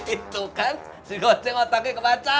itu kan si goceng otaknya kebaca